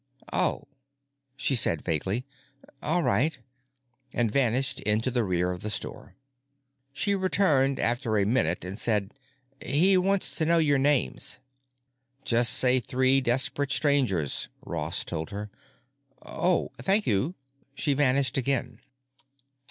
"Oh," she said vaguely. "All right," and vanished into the rear of the store. She returned after a minute and said, "He wants to know your names." "Just say 'three desperate strangers,'" Ross told her. "Oh. Thank you." She vanished again.